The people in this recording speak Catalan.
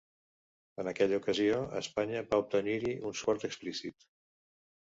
En aquella ocasió, Espanya va obtenir-hi un suport explícit.